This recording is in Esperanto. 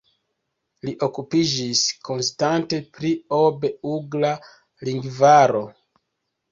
Li okupiĝis konstante pri Ob-ugra lingvaro.